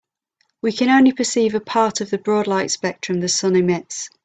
We can only perceive a part of the broad light spectrum the sun emits.